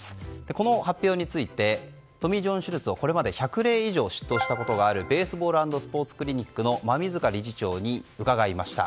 この発表についてトミー・ジョン手術をこれまで１００例以上執刀したことがあるベースボール＆スポーツクリニックの馬見塚理事長に伺いました。